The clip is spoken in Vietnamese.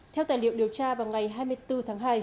theo tài liệu điều tra vào ngày hai mươi bốn tháng hai